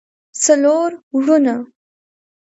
څلور وروڼه